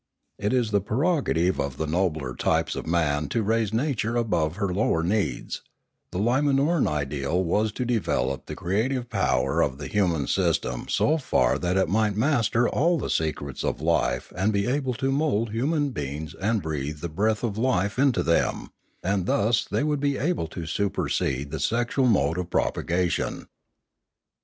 It is the prerogative of the nobler types of man to raise nature above her lower needs; the Limanoran ideal was to develop the creative power of the human system so far that it might master all the secrets of life and be able to mould human beings and breathe the breath of life into them, and thus they would be able to supersede the sexual mode of propagation.